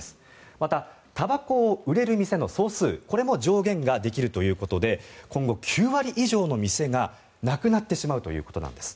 また、たばこを売れる店の総数これも上限ができるということで今後、９割以上の店がなくなってしまうということです。